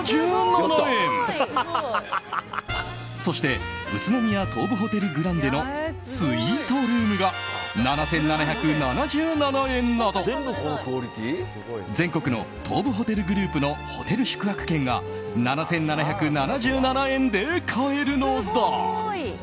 そして宇都宮東武ホテルグランデのスイートルームが７７７７円など全国の東武ホテルグループのホテル宿泊券が７７７７円で買えるのだ。